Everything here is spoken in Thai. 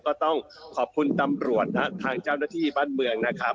ก็ต้องขอบคุณตำรวจและทางเจ้าหน้าที่บ้านเมืองนะครับ